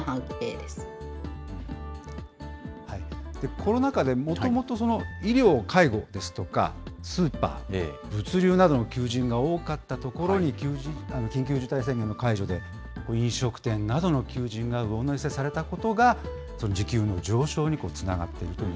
コロナ禍でもともと医療・介護ですとかスーパー、物流などの求人が多かったところに、緊急事態宣言の解除で、飲食店などの求人が上乗せされたことが、時給の上昇につながっているという。